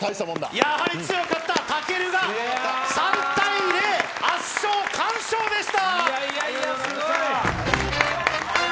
やはり強かった、武尊が圧勝、完勝でした。